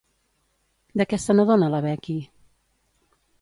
De què se n'adona la Becky?